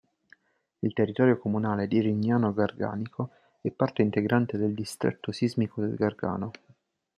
Il territorio comunale di Rignano Garganico è parte integrante del distretto sismico del Gargano.